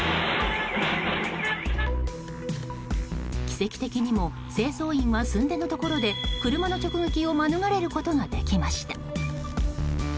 奇跡的にも清掃員はすんでのところで車の直撃を免れることができました。